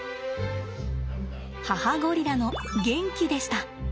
母ゴリラのゲンキでした。